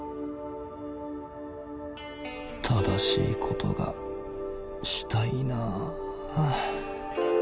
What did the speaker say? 正しいことがしたいな。